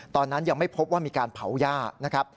ตอนนั้นยังไม่พบว่ามีการเผาหญ้า